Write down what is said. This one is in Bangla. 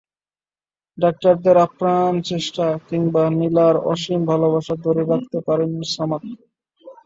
ডাক্তারদের আপ্রাণ চেষ্টা কিংবা নীলার অসীম ভালোবাসা ধরে রাখতে পারেনি সামাদকে।